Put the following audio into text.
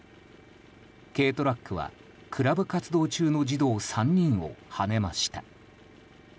軽トラックはクラブ活動中の児童３人をはねました。